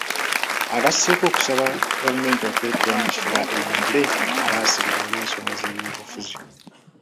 Agasseeko okusaba gavumenti okwekuba mu kifuba eyimbule abaasibibwa olw'ensonga z'ebyobufuzi.